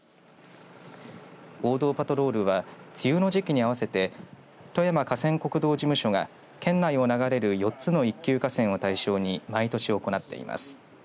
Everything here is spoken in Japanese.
合同パトロールは梅雨の時期に合わせて富山河川国道事務所が県内を流れる４つの１級河川を対象に毎年行っています。